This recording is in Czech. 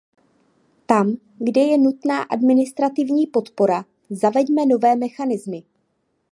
Tam, kde je nutná administrativní podpora, zaveďme nové mechanismy.